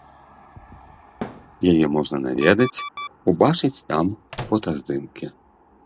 Яе можна наведаць, убачыць там фотаздымкі.